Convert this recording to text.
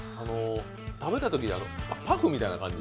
食べたときにパフみたいな感じ。